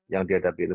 yang diadapi itu